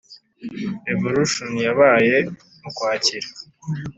révolution yabaye mu kwakira